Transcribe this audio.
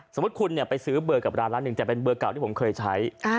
สมมุติคุณไปซื้อเบอร์กับร้านร้านหนึ่งแต่เป็นเบอร์เก่าที่ผมเคยใช้